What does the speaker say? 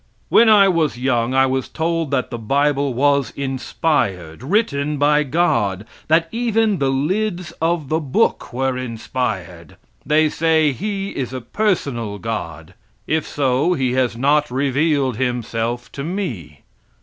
When I was young I was told that the bible was inspired, written by God, that even the lids of the book were inspired. They say He is a personal God; if so, He has not revealed Himself to me.